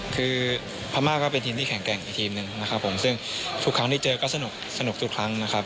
คือพม่าก็เป็นทีมที่แข็งแกร่งอีกทีมหนึ่งนะครับผมซึ่งทุกครั้งที่เจอก็สนุกสนุกทุกครั้งนะครับ